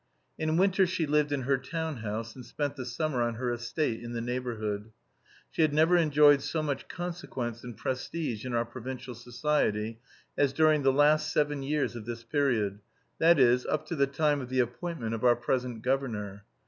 In winter she lived in her town house and spent the summer on her estate in the neighbourhood. She had never enjoyed so much consequence and prestige in our provincial society as during the last seven years of this period, that is up to the time of the appointment of our present governor.